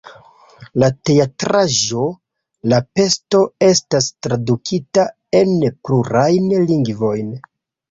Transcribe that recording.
La teatraĵo "La Pesto" estas tradukita en plurajn lingvojn.